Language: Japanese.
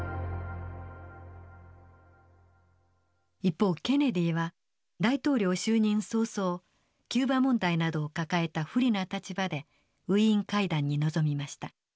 一方ケネディは大統領就任早々キューバ問題などを抱えた不利な立場でウィーン会談に臨みました。